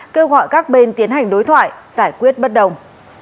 kêu gọi các bên tiến hành đối thoại giải quyết bất đồng